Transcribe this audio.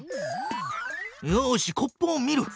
よしコップを見る！